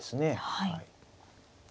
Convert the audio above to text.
はい。